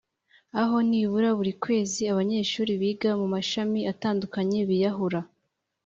aho nibura buri kwezi abanyeshuri biga mu mashami atandukanye biyahura